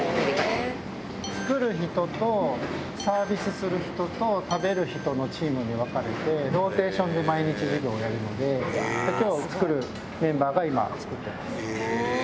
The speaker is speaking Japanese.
作る人とサービスする人と、食べる人のチームに分かれてローテーションで毎日授業をやるので、きょう作るメンバーが、今、作ってます。